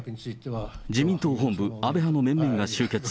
自民党本部に安倍派の議員が集結。